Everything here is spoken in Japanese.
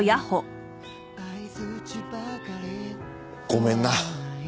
ごめんな。